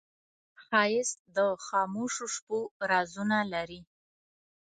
ښایست د خاموشو شپو رازونه لري